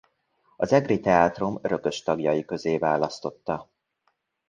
Az egri teátrum örökös tagjai közé választotta.